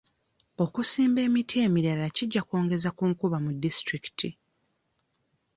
Okusimba emiti emirala kijja kwongeza ku nkuba mu disitulikiti.